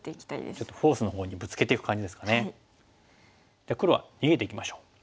じゃあ黒は逃げていきましょう。